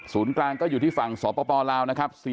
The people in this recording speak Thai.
กลางก็อยู่ที่ฝั่งสปลาวนะครับ